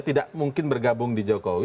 tidak mungkin bergabung di jokowi